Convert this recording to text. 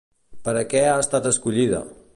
Per a què ha estat escollida?